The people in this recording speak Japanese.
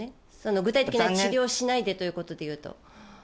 具体的な治療をしないでということでいうと。